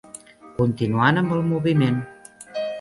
Continuant amb el moviment.